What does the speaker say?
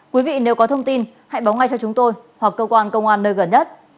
quý vị nếu có thông tin hãy báo ngay cho chúng tôi hoặc cơ quan công an nơi gần nhất